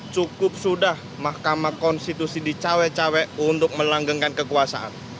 cukup sudah mahkamah konstitusi di cawek cawek untuk melanggengkan kekuasaan